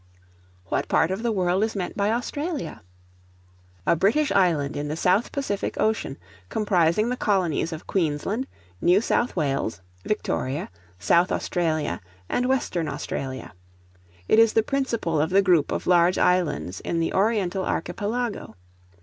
What part of the world is meant by Australia? A British Island in the South Pacific Ocean, comprising the Colonies of Queensland, New South Wales, Victoria, South Australia, and Western Australia. It is the principal of the group of large islands, in the Oriental Archipelago.